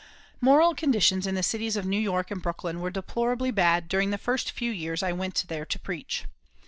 Moral conditions in the cities of New York and Brooklyn were deplorably bad during the first few years I went there to preach.